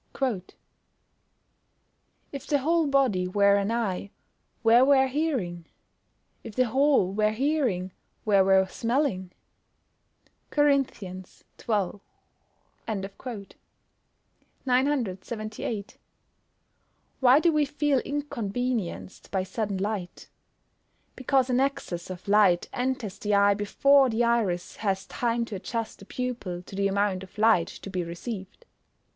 [Verse: "If the whole body were an eye, where were hearing? if the whole were hearing, where were smelling?" CORINTHIANS XII.] 978. Why do we feel inconvenienced by sudden light? Because an excess of light enters the eye before the iris has had time to adjust the pupil to the amount of light to be received.